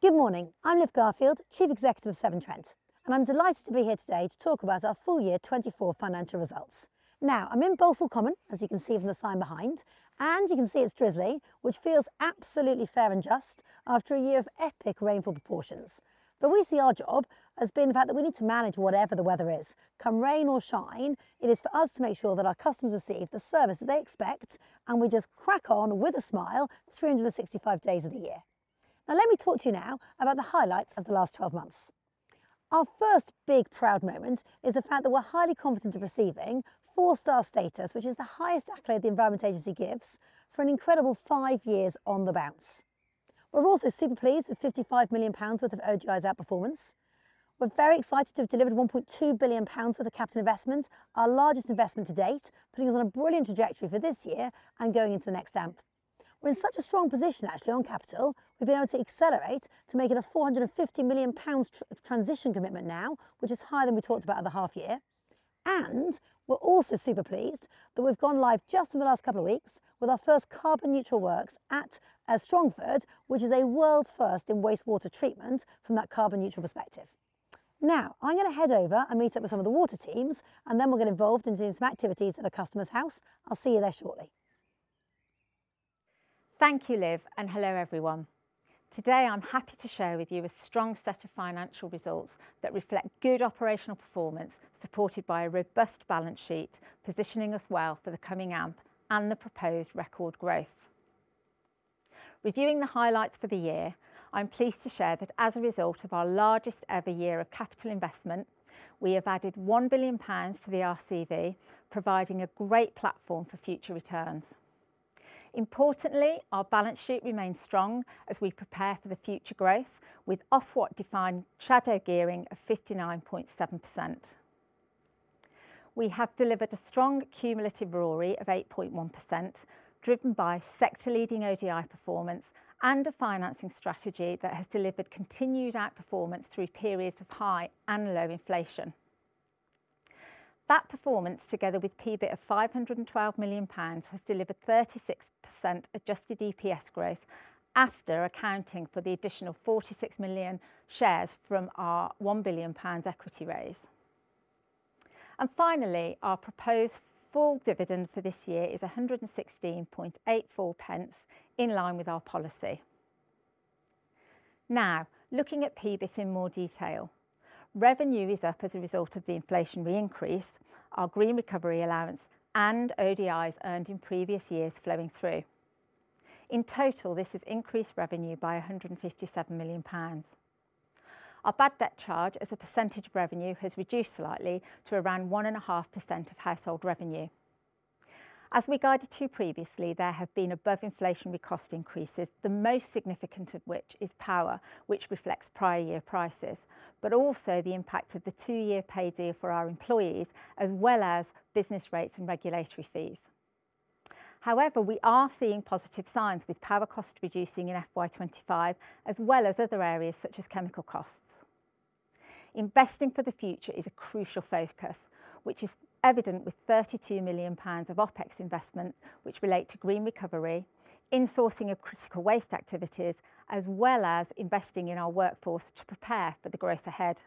Good morning. I'm Liv Garfield, Chief Executive of Severn Trent, and I'm delighted to be here today to talk about our full year 2024 financial results. Now, I'm in Balsall Common, as you can see from the sign behind, and you can see it's drizzly, which feels absolutely fair and just after a year of epic rainfall proportions. But we see our job as being the fact that we need to manage whatever the weather is. Come rain or shine, it is for us to make sure that our customers receive the service that they expect, and we just crack on with a smile 365 days of the year. Now, let me talk to you now about the highlights of the last 12 months. Our first big proud moment is the fact that we're highly confident of receiving four-star status, which is the highest accolade the Environment Agency gives, for an incredible five years on the bounce. We're also super pleased with 55 million pounds worth of ODI's outperformance. We're very excited to have delivered 1.2 billion pounds worth of capital investment, our largest investment to date, putting us on a brilliant trajectory for this year and going into the next AMP. We're in such a strong position, actually, on capital; we've been able to accelerate to make it a 450 million pounds transition commitment now, which is higher than we talked about at the half year. We're also super pleased that we've gone live just in the last couple of weeks with our first carbon neutral works at Strongford, which is a world first in wastewater treatment from that carbon neutral perspective. Now, I'm gonna head over and meet up with some of the water teams, and then we'll get involved in doing some activities at a customer's house. I'll see you there shortly. Thank you, Liv, and hello, everyone. Today, I'm happy to share with you a strong set of financial results that reflect good operational performance, supported by a robust balance sheet, positioning us well for the coming AMP and the proposed record growth. Reviewing the highlights for the year, I'm pleased to share that as a result of our largest ever year of capital investment, we have added 1 billion pounds to the RCV, providing a great platform for future returns. Importantly, our balance sheet remains strong as we prepare for the future growth, with Ofwat-defined shadow gearing of 59.7%. We have delivered a strong cumulative ROERI of 8.1%, driven by sector-leading ODI performance and a financing strategy that has delivered continued outperformance through periods of high and low inflation. That performance, together with PBIT of 512 million pounds, has delivered 36% adjusted EPS growth after accounting for the additional 46 million shares from our 1 billion pounds equity raise. And finally, our proposed full dividend for this year is 1.1684, in line with our policy. Now, looking at PBIT in more detail, revenue is up as a result of the inflationary increase, our green recovery allowance, and ODIs earned in previous years flowing through. In total, this has increased revenue by 157 million pounds. Our bad debt charge as a percentage of revenue has reduced slightly to around 1.5% of household revenue. As we guided to previously, there have been above-inflationary cost increases, the most significant of which is power, which reflects prior year prices, but also the impact of the two-year pay deal for our employees, as well as business rates and regulatory fees. However, we are seeing positive signs, with power costs reducing in FY 2025, as well as other areas such as chemical costs. Investing for the future is a crucial focus, which is evident with 32 million pounds of OpEx investment, which relate to green recovery, insourcing of critical waste activities, as well as investing in our workforce to prepare for the growth ahead.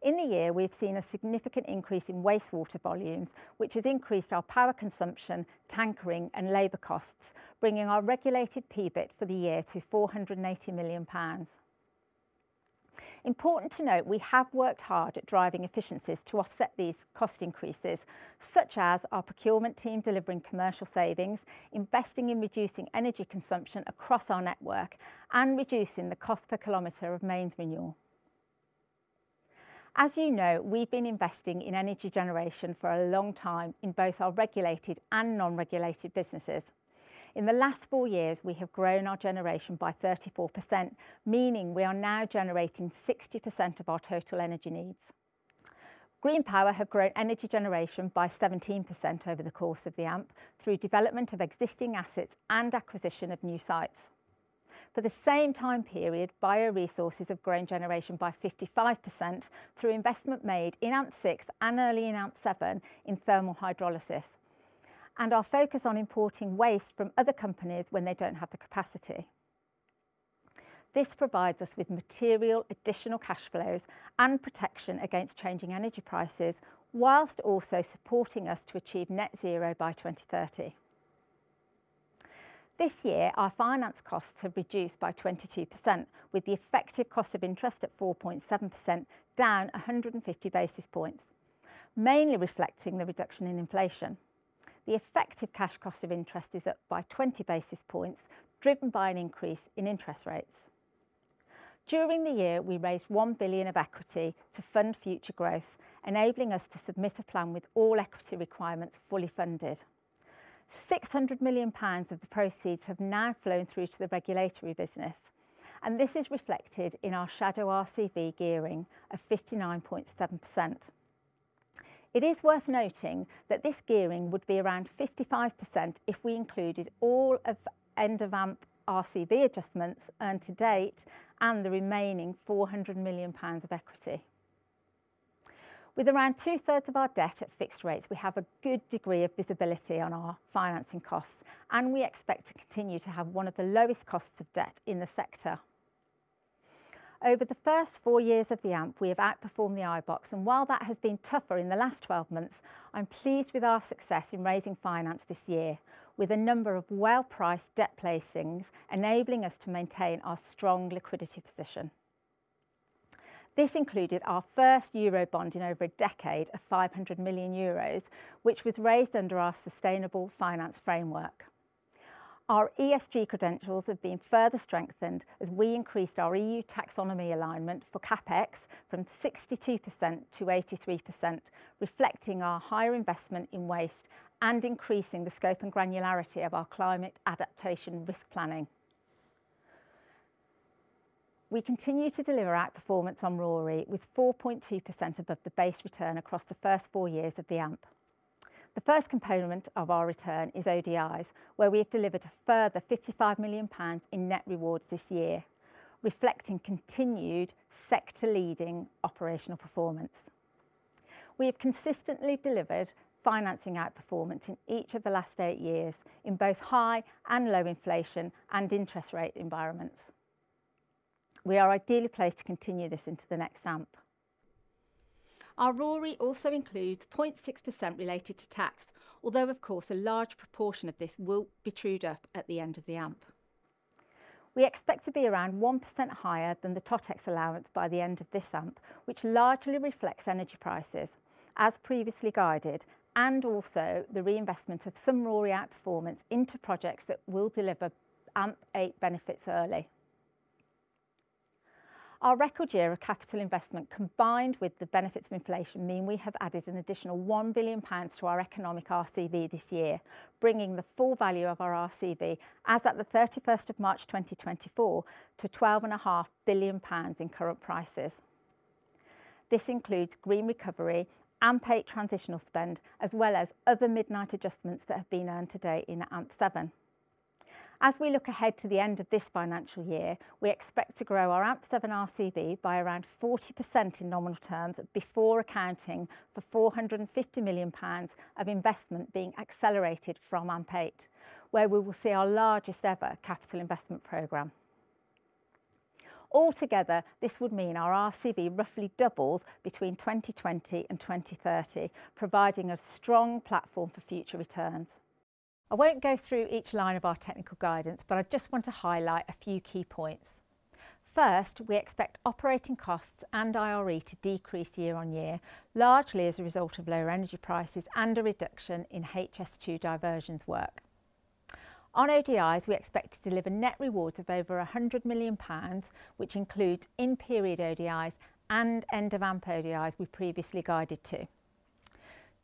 In the year, we've seen a significant increase in wastewater volumes, which has increased our power consumption, tankering, and labor costs, bringing our regulated PBIT for the year to 480 million pounds. Important to note, we have worked hard at driving efficiencies to offset these cost increases, such as our procurement team delivering commercial savings, investing in reducing energy consumption across our network, and reducing the cost per kilometer of mains renewal. As you know, we've been investing in energy generation for a long time in both our regulated and non-regulated businesses. In the last four years, we have grown our generation by 34%, meaning we are now generating 60% of our total energy needs. Green Power have grown energy generation by 17% over the course of the AMP through development of existing assets and acquisition of new sites. For the same time period, Bioresources have grown generation by 55% through investment made in AMP6 and early in AMP7 in thermal hydrolysis, and our focus on importing waste from other companies when they don't have the capacity. This provides us with material, additional cash flows, and protection against changing energy prices, whilst also supporting us to achieve net zero by 2030. This year, our finance costs have reduced by 22%, with the effective cost of interest at 4.7%, down 150 basis points, mainly reflecting the reduction in inflation. The effective cash cost of interest is up by 20 basis points, driven by an increase in interest rates. During the year, we raised 1 billion of equity to fund future growth, enabling us to submit a plan with all equity requirements fully funded. 600 million pounds of the proceeds have now flown through to the regulatory business, and this is reflected in our shadow RCV gearing of 59.7%. It is worth noting that this gearing would be around 55% if we included all of end of AMP RCV adjustments earned to date and the remaining 400 million pounds of equity. With around two-thirds of our debt at fixed rates, we have a good degree of visibility on our financing costs, and we expect to continue to have one of the lowest costs of debt in the sector. Over the first four years of the AMP, we have outperformed the iBoxx, and while that has been tougher in the last 12 months, I'm pleased with our success in raising finance this year, with a number of well-priced debt placings enabling us to maintain our strong liquidity position. This included our first Eurobond in over a decade, of 500 million euros, which was raised under our sustainable finance framework. Our ESG credentials have been further strengthened as we increased our EU taxonomy alignment for CapEx from 62%-83%, reflecting our higher investment in waste and increasing the scope and granularity of our climate adaptation risk planning. We continue to deliver outperformance on RoRE, with 4.2% above the base return across the first four years of the AMP. The first component of our return is ODIs, where we have delivered a further 55 million pounds in net rewards this year, reflecting continued sector-leading operational performance. We have consistently delivered financing outperformance in each of the last eight years, in both high and low inflation and interest rate environments. We are ideally placed to continue this into the next AMP. Our RoREalso includes 0.6% related to tax, although, of course, a large proportion of this will be trued up at the end of the AMP. We expect to be around 1% higher than the TotEx allowance by the end of this AMP, which largely reflects energy prices, as previously guided, and also the reinvestment of some RoRE outperformance into projects that will deliver AMP8 benefits early. Our record year of capital investment, combined with the benefits of inflation, mean we have added an additional 1 billion pounds to our economic RCV this year, bringing the full value of our RCV as at the 31st of March 2024 to 12.5 billion pounds in current prices. This includes Green Recovery, AMP8 transitional spend, as well as other midnight adjustments that have been earned to date in AMP7. As we look ahead to the end of this financial year, we expect to grow our AMP7 RCV by around 40% in nominal terms, before accounting for 450 million pounds of investment being accelerated from AMP8, where we will see our largest-ever capital investment program. Altogether, this would mean our RCV roughly doubles between 2020 and 2030, providing a strong platform for future returns. I won't go through each line of our technical guidance, but I just want to highlight a few key points. First, we expect operating costs and IRE to decrease year-on-year, largely as a result of lower energy prices and a reduction in HS2 diversions work. On ODIs, we expect to deliver net rewards of over 100 million pounds, which includes in-period ODIs and end-of-AMP ODIs we previously guided to.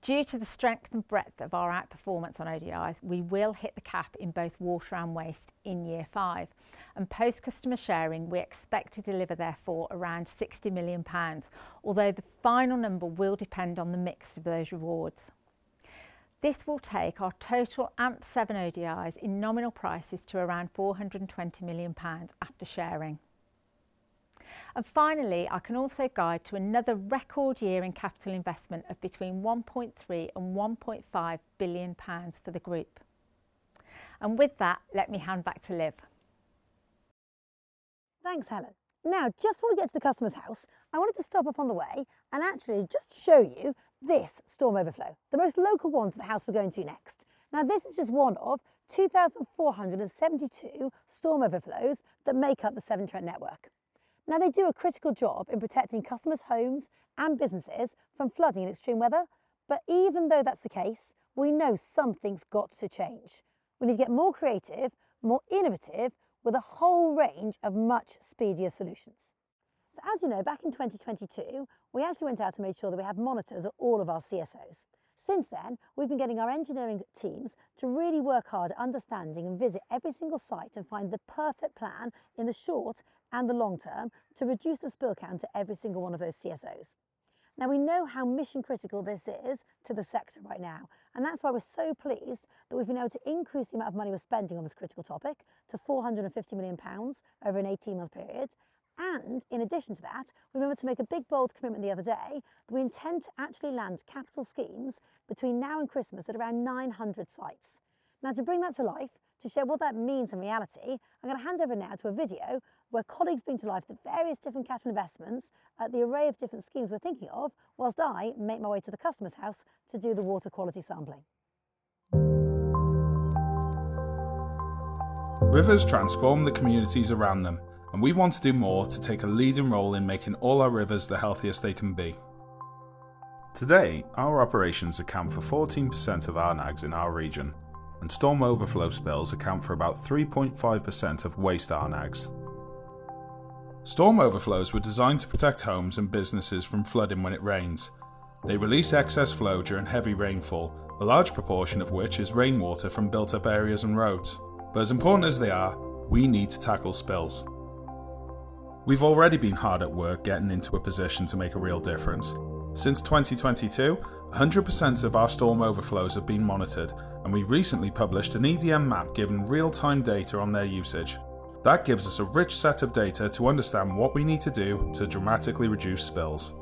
Due to the strength and breadth of our outperformance on ODIs, we will hit the cap in both water and waste in year five, and post-customer sharing, we expect to deliver therefore around 60 million pounds, although the final number will depend on the mix of those rewards. This will take our total AMP7 ODIs in nominal prices to around 420 million pounds after sharing. And finally, I can also guide to another record year in capital investment of between 1.3 billion and 1.5 billion pounds for the Group. And with that, let me hand back to Liv. Thanks, Helen. Now, just before we get to the customer's house, I wanted to stop off on the way and actually just show you this storm overflow, the most local one to the house we're going to next. Now, this is just one of 2,472 storm overflows that make up the Severn Trent network. Now, they do a critical job in protecting customers' homes and businesses from flooding and extreme weather. But even though that's the case, we know something's got to change. We need to get more creative, more innovative, with a whole range of much speedier solutions. So as you know, back in 2022, we actually went out and made sure that we had monitors at all of our CSOs. Since then, we've been getting our engineering teams to really work hard at understanding and visit every single site and find the perfect plan in the short and the long term to reduce the spill count to every single one of those CSOs. Now, we know how mission-critical this is to the sector right now, and that's why we're so pleased that we've been able to increase the amount of money we're spending on this critical topic to 450 million pounds over an 18-month period. And in addition to that, we were able to make a big, bold commitment the other day that we intend to actually land capital schemes between now and Christmas at around 900 sites. Now, to bring that to life, to show what that means in reality, I'm gonna hand over now to a video where colleagues bring to life the various different capital investments, the array of different schemes we're thinking of, whilst I make my way to the customer's house to do the water quality sampling. Rivers transform the communities around them, and we want to do more to take a leading role in making all our rivers the healthiest they can be. Today, our operations account for 14% of RNAGs in our region, and storm overflow spills account for about 3.5% of waste RNAGs. Storm overflows were designed to protect homes and businesses from flooding when it rains. They release excess flow during heavy rainfall, a large proportion of which is rainwater from built-up areas and roads. But as important as they are, we need to tackle spills. We've already been hard at work getting into a position to make a real difference. Since 2022, 100% of our storm overflows have been monitored, and we recently published an EDM map giving real-time data on their usage. That gives us a rich set of data to understand what we need to do to dramatically reduce spills.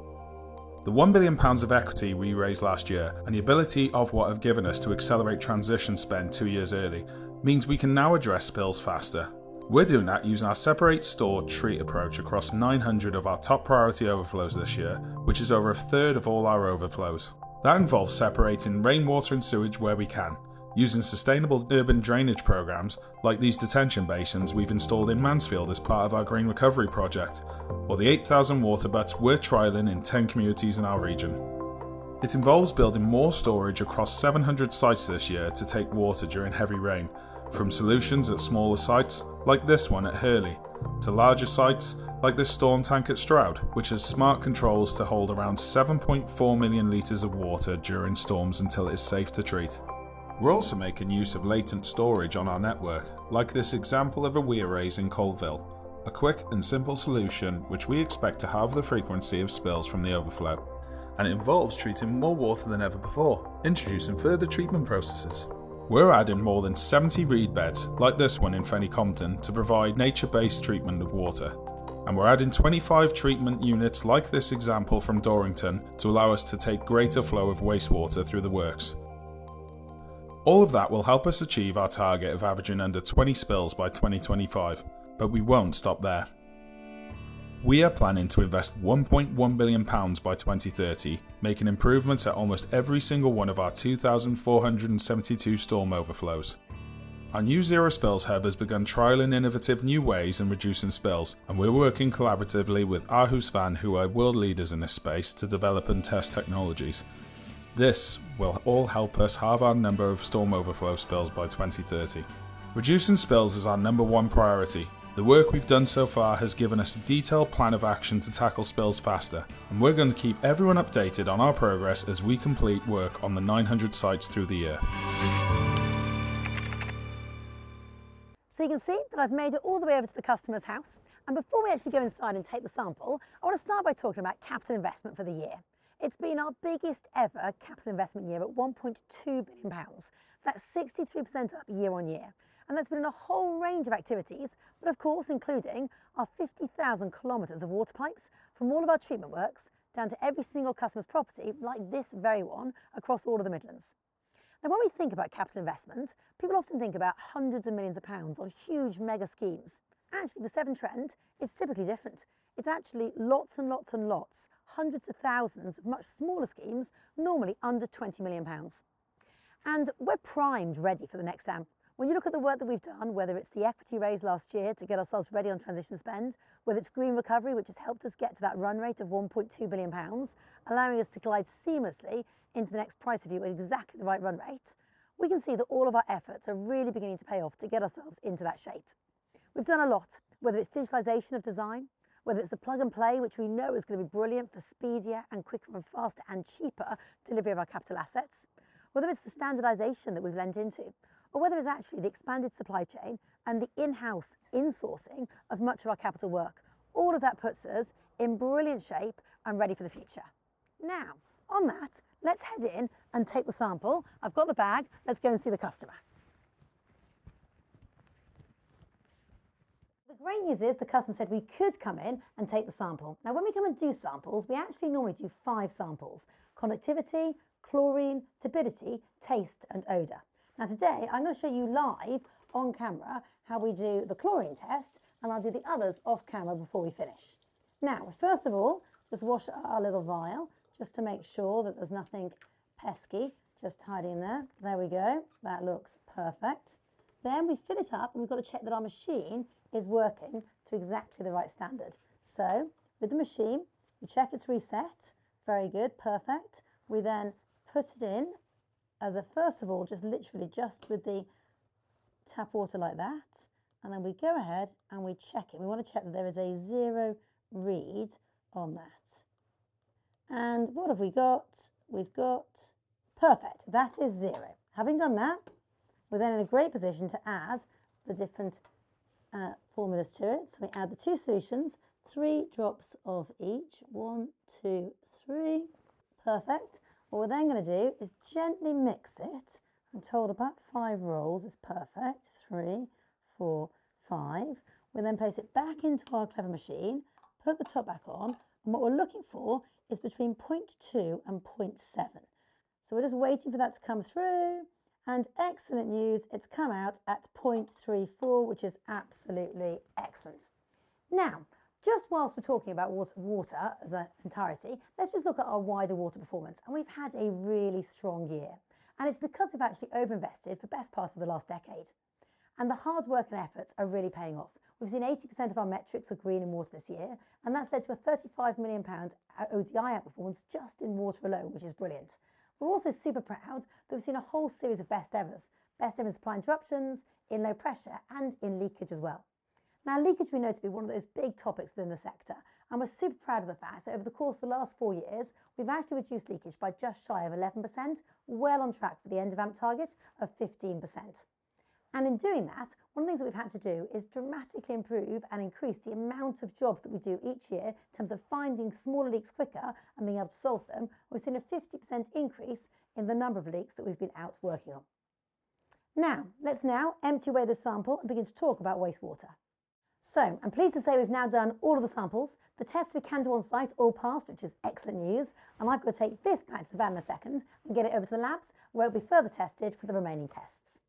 The 1 billion pounds of equity we raised last year, and the ability of what have given us to accelerate transition spend two years early, means we can now address spills faster. We're doing that using our separate store treat approach across 900 of our top priority overflows this year, which is over a third of all our overflows. That involves separating rainwater and sewage where we can, using sustainable urban drainage programs like these detention basins we've installed in Mansfield as part of our Green Recovery project, or the 8,000 water butts we're trialing in 10 communities in our region. It involves building more storage across 700 sites this year to take water during heavy rain, from solutions at smaller sites, like this one at Hurley, to larger sites, like this storm tank at Stroud, which has smart controls to hold around 7.4 million liters of water during storms until it is safe to treat. We're also making use of latent storage on our network, like this example of a weir raise in Coalville, a quick and simple solution which we expect to halve the frequency of spills from the overflow, and it involves treating more water than ever before, introducing further treatment processes. We're adding more than 70 reed beds, like this one in Fenny Compton, to provide nature-based treatment of water, and we're adding 25 treatment units, like this example from Dorrington, to allow us to take greater flow of wastewater through the works. All of that will help us achieve our target of averaging under 20 spills by 2025, but we won't stop there. We are planning to invest 1.1 billion pounds by 2030, making improvements at almost every single one of our 2,472 storm overflows. Our new Zero Spills Hub has begun trialing innovative new ways in reducing spills, and we're working collaboratively with Aarhus Vand, who are world leaders in this space, to develop and test technologies. This will all help us halve our number of storm overflow spills by 2030. Reducing spills is our number one priority. The work we've done so far has given us a detailed plan of action to tackle spills faster, and we're going to keep everyone updated on our progress as we complete work on the 900 sites through the year. So you can see that I've made it all the way over to the customer's house, and before we actually go inside and take the sample, I want to start by talking about capital investment for the year. It's been our biggest ever capital investment year at 1.2 billion pounds. That's 62% up year-on-year, and that's been in a whole range of activities, but of course, including our 50,000 km of water pipes from all of our treatment works down to every single customer's property, like this very one, across all of the Midlands. Now, when we think about capital investment, people often think about hundreds of millions of GBP on huge mega schemes. Actually, Severn Trent is typically different. It's actually lots and lots and lots, hundreds of thousands, of much smaller schemes, normally under 20 million pounds. And we're primed ready for the next AMP. When you look at the work that we've done, whether it's the equity raise last year to get ourselves ready on transition spend, whether it's Green Recovery, which has helped us get to that run rate of 1.2 billion pounds, allowing us to glide seamlessly into the next price review at exactly the right run rate, we can see that all of our efforts are really beginning to pay off to get ourselves into that shape. We've done a lot, whether it's digitalization of design, whether it's the Plug and Play, which we know is going to be brilliant for speedier and quicker and faster and cheaper delivery of our capital assets, whether it's the standardization that we've leaned into, or whether it's actually the expanded supply chain and the in-house insourcing of much of our capital work. All of that puts us in brilliant shape and ready for the future. Now, on that, let's head in and take the sample. I've got the bag. Let's go and see the customer. The great news is the customer said we could come in and take the sample. Now, when we come and do samples, we actually normally do five samples: conductivity, chlorine, turbidity, taste, and odor. Now, today, I'm going to show you live on camera how we do the chlorine test, and I'll do the others off-camera before we finish. Now, first of all, just wash our little vial, just to make sure that there's nothing pesky just hiding in there. There we go. That looks perfect. Then we fill it up, and we've got to check that our machine is working to exactly the right standard. So with the machine, we check it's reset. Very good. Perfect. We then put it in as a first of all, just literally just with the tap water like that, and then we go ahead and we check it. We want to check that there is a zero read on that. And what have we got? We've got... Perfect, that is zero. Having done that, we're then in a great position to add the different formulas to it. So we add the two solutions, three drops of each. one, two, three. Perfect. What we're then going to do is gently mix it. I'm told about five rolls is perfect. three, four, five. We then place it back into our clever machine, put the top back on, and what we're looking for is between 0.2 and 0.7. So we're just waiting for that to come through. And excellent news, it's come out at 0.34, which is absolutely excellent. Now, just whilst we're talking about water, water as an entirety, let's just look at our wider water performance, and we've had a really strong year, and it's because we've actually overinvested for best part of the last decade, and the hard work and efforts are really paying off. We've seen 80% of our metrics are green in water this year, and that's led to a 35 million pounds ODI outperformance just in water alone, which is brilliant. We're also super proud that we've seen a whole series of best evers, best ever supply interruptions, in low pressure, and in leakage as well. Now, leakage we know to be one of those big topics within the sector, and we're super proud of the fact that over the course of the last four years, we've actually reduced leakage by just shy of 11%, well on track for the end of AMP target of 15%. And in doing that, one of the things that we've had to do is dramatically improve and increase the amount of jobs that we do each year in terms of finding smaller leaks quicker and being able to solve them. We've seen a 50% increase in the number of leaks that we've been out working on. Now, let's now empty away this sample and begin to talk about wastewater. So I'm pleased to say we've now done all of the samples. The tests we can do on-site all passed, which is excellent news, and I've got to take this back to the van a second and get it over to the labs, where it'll be further tested for the remaining tests.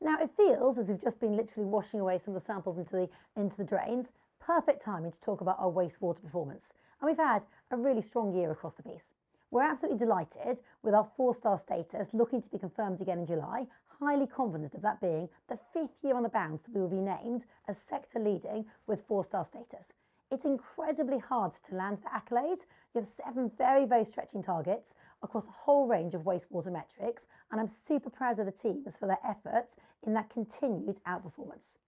Now, it feels as we've just been literally washing away some of the samples into the drains, perfect timing to talk about our wastewater performance, and we've had a really strong year across the piece. We're absolutely delighted with our four-star status looking to be confirmed again in July, highly confident of that being the fifth year on the bounce that we will be named as sector-leading with four-star status. It's incredibly hard to land the accolade. You have seven very, very stretching targets across a whole range of wastewater metrics, and I'm super proud of the teams for their efforts in that continued outperformance.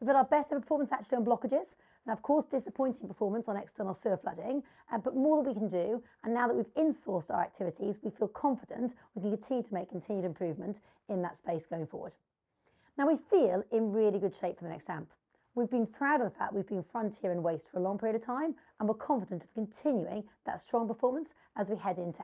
We've had our best ever performance actually on blockages, and of course, disappointing performance on external sewer flooding, but more that we can do, and now that we've insourced our activities, we feel confident we can continue to make continued improvement in that space going forward. Now, we feel in really good shape for the next AMP. We've been proud of the fact we've been frontier in waste for a long period of time, and we're confident of continuing that strong performance as we head into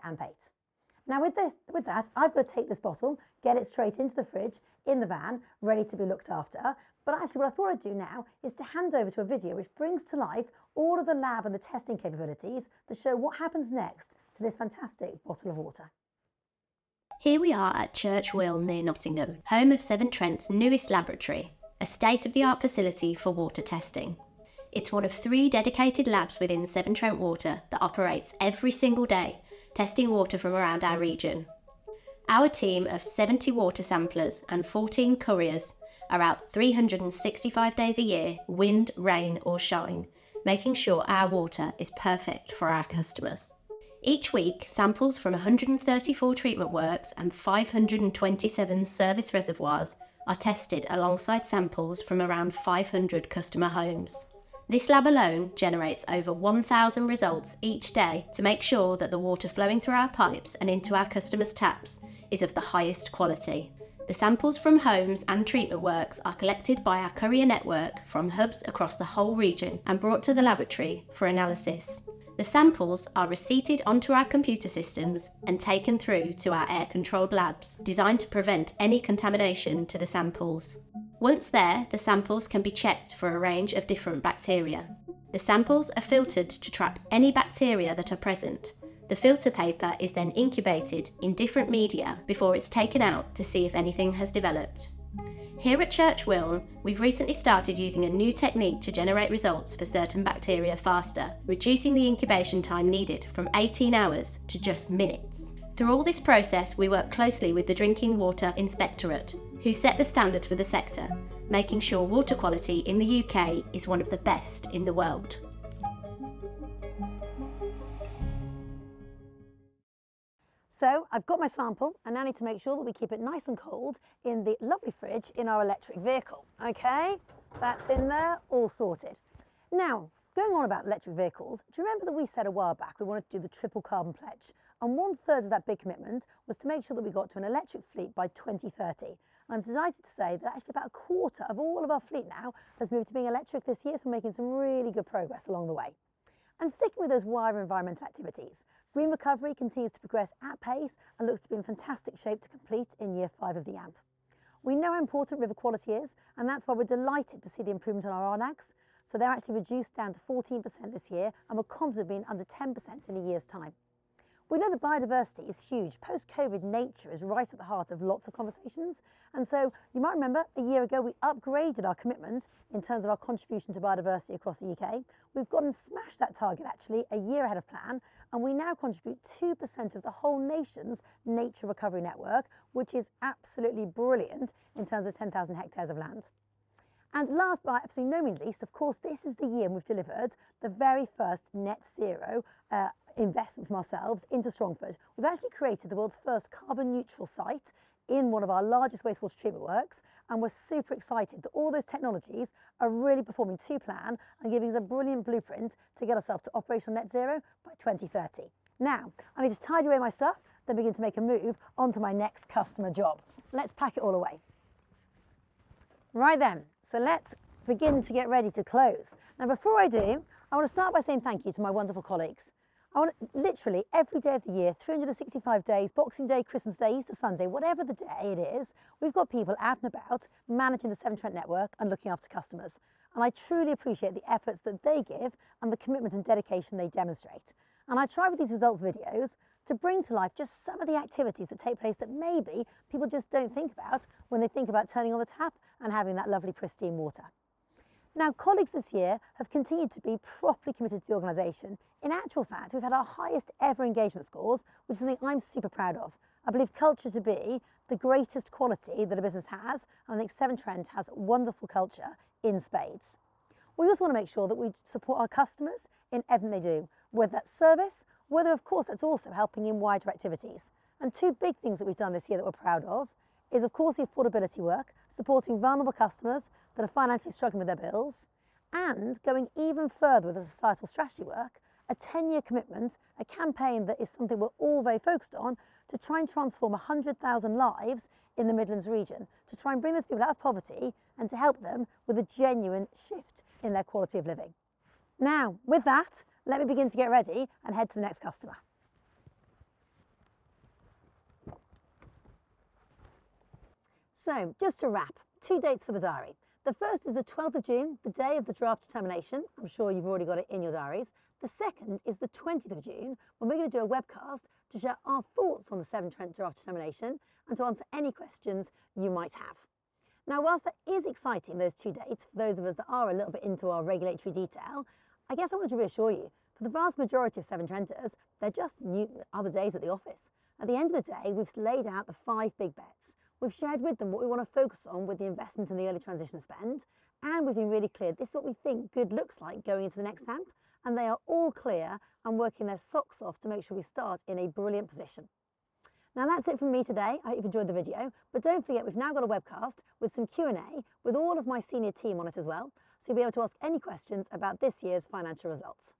AMP8. Now, with that, I've got to take this bottle, get it straight into the fridge in the van, ready to be looked after. But actually, what I thought I'd do now is to hand over to a video, which brings to life all of the lab and the testing capabilities to show what happens next to this fantastic bottle of water. Here we are at Church Wilne, near Nottingham, home of Severn Trent's newest laboratory, a state-of-the-art facility for water testing. It's one of three dedicated labs within Severn Trent Water that operates every single day, testing water from around our region. Our team of 70 water samplers and 14 couriers are out 365 days a year, wind, rain, or shine, making sure our water is perfect for our customers. Each week, samples from 134 treatment works and 527 service reservoirs are tested alongside samples from around 500 customer homes. This lab alone generates over 1,000 results each day to make sure that the water flowing through our pipes and into our customers' taps is of the highest quality. The samples from homes and treatment works are collected by our courier network from hubs across the whole region and brought to the laboratory for analysis. The samples are receipted onto our computer systems and taken through to our air-controlled labs, designed to prevent any contamination to the samples. Once there, the samples can be checked for a range of different bacteria. The samples are filtered to trap any bacteria that are present. The filter paper is then incubated in different media before it's taken out to see if anything has developed. Here at Church Wilne, we've recently started using a new technique to generate results for certain bacteria faster, reducing the incubation time needed from 18 hours to just minutes. Through all this process, we work closely with the Drinking Water Inspectorate, who set the standard for the sector, making sure water quality in the UK is one of the best in the world. So I've got my sample, and now I need to make sure that we keep it nice and cold in the lovely fridge in our electric vehicle. Okay, that's in there, all sorted. Now, going on about electric vehicles, do you remember that we said a while back we wanted to do the Triple Carbon Pledge? And one-third of that big commitment was to make sure that we got to an electric fleet by 2030. I'm delighted to say that actually, about a quarter of all of our fleet now has moved to being electric this year, so we're making some really good progress along the way. And sticking with those wider environmental activities, Green Recovery continues to progress at pace and looks to be in fantastic shape to complete in year five of the AMP. We know how important river quality is, and that's why we're delighted to see the improvement in our RNACs, so they're actually reduced down to 14% this year, and we're confident of being under 10% in a year's time. We know that biodiversity is huge. Post-COVID, nature is right at the heart of lots of conversations, and so you might remember, a year ago, we upgraded our commitment in terms of our contribution to biodiversity across the UK. We've gone and smashed that target actually a year ahead of plan, and we now contribute 2% of the whole nation's nature recovery network, which is absolutely brilliant in terms of 10,000 hectares of land. And last, but absolutely not least, of course, this is the year we've delivered the very first net zero investment from ourselves into Strongford. We've actually created the world's first carbon-neutral site in one of our largest wastewater treatment works, and we're super excited that all those technologies are really performing to plan and giving us a brilliant blueprint to get ourselves to operational net zero by 2030. Now, I need to tidy away my stuff, then begin to make a move onto my next customer job. Let's pack it all away. Right, then, so let's begin to get ready to close, and before I do, I want to start by saying thank you to my wonderful colleagues. I want to... Literally every day of the year, 365 days, Boxing Day, Christmas Day, Easter Sunday, whatever the day it is, we've got people out and about managing the Severn Trent network and looking after customers, and I truly appreciate the efforts that they give and the commitment and dedication they demonstrate. I try with these results videos to bring to life just some of the activities that take place that maybe people just don't think about when they think about turning on the tap and having that lovely, pristine water. Now, colleagues this year have continued to be properly committed to the organization. In actual fact, we've had our highest-ever engagement scores, which is something I'm super proud of. I believe culture to be the greatest quality that a business has, and I think Severn Trent has wonderful culture in spades. We also want to make sure that we support our customers in everything they do, whether that's service, whether, of course, that's also helping in wider activities. And two big things that we've done this year that we're proud of is, of course, the affordability work, supporting vulnerable customers that are financially struggling with their bills, and going even further with the societal strategy work, a 10-year commitment, a campaign that is something we're all very focused on, to try and transform 100,000 lives in the Midlands region, to try and bring those people out of poverty and to help them with a genuine shift in their quality of living. Now, with that, let me begin to get ready and head to the next customer. So just to wrap, two dates for the diary. The first is the 12th of June, the day of the draft determination. I'm sure you've already got it in your diaries. The second is the 20th of June, when we're going to do a webcast to share our thoughts on the Severn Trent draft determination and to answer any questions you might have. Now, whilst that is exciting, those two dates, for those of us that are a little bit into our regulatory detail, I guess I want to reassure you, for the vast majority of Severn Trenters, they're just new... other days at the office. At the end of the day, we've laid out the five big bets. We've shared with them what we want to focus on with the investment and the early transition spend, and we've been really clear, this is what we think good looks like going into the next AMP, and they are all clear and working their socks off to make sure we start in a brilliant position. Now, that's it from me today. I hope you've enjoyed the video, but don't forget, we've now got a webcast with some Q&A, with all of my senior team on it as well, so you'll be able to ask any questions about this year's financial results.